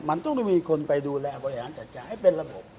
มันต้องไม่มีคนไปดูแลบริหารจัดการให้เป็นระบบ